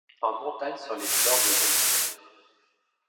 En montagne sur les fleurs des ombellifères.